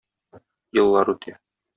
Еллар үтә...